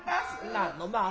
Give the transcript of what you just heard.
何のまあ